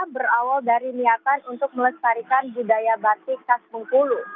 berawal dari niatan untuk melestarikan budaya batik khas bengkulu